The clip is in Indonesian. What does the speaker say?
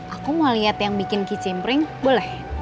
aku mau lihat yang bikin kicimpring boleh